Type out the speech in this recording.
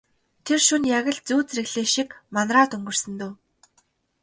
Тэр шөнө яг л зүүд зэрэглээ шиг манараад өнгөрсөн дөө.